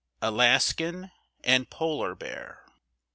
ALASKAN AND POLAR BEAR.